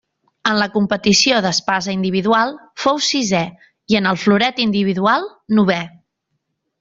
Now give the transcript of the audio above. En la competició d'espasa individual fou sisè i en el floret individual novè.